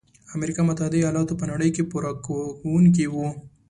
امریکا متحد ایلاتو په نړۍ کې پوره کوونکي وو.